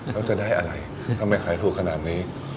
เขาจะได้อะไรทำไมขายถูกขนาดนี้